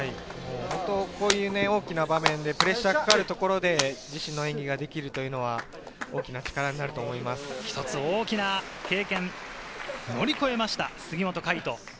こういう大きな場面でプレッシャーのかかるところで自身の演技ができるというのは大きな一つ大きな経験を乗り越えました、杉本海誉斗。